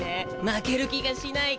負ける気がしないけど。